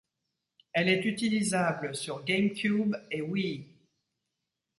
Elle est utilisable sur GameCube et Wii.